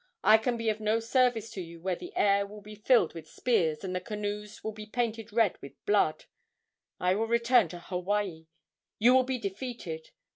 I can be of no service to you where the air will be filled with spears and the canoes will be painted red with blood. I will return to Hawaii. You will be defeated.